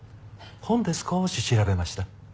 本で少し調べました。